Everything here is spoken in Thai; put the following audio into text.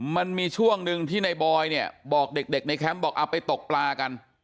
มันมีช่วงหนึ่งที่ในบอยเนี่ยบอกเด็กในแคมป์บอกเอาไปตกปลากัน